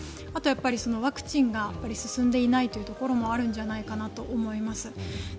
あとやっぱり、ワクチンが進んでいないところもあるんじゃないかと思います。